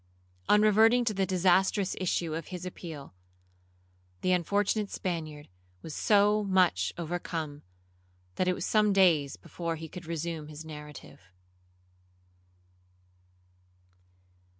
On reverting to the disastrous issue of his appeal, the unfortunate Spaniard was so much overcome, that it was some days before he could resume his narrative.